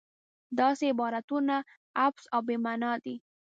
داسې عبارتونه عبث او بې معنا دي.